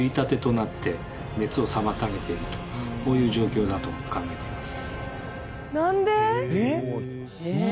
こういう状況だと考えています。